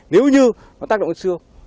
nếu như nó tác động trên xương